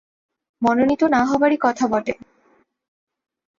মনোনীত না হইবারই কথা বটে।